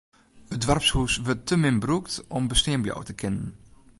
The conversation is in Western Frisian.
It doarpshûs wurdt te min brûkt om bestean bliuwe te kinnen.